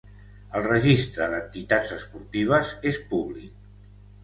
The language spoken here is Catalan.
El Registre d'Entitats Esportives és públic.